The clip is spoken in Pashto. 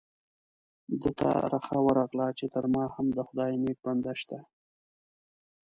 ده ته رخه ورغله چې تر ما هم د خدای نیک بنده شته.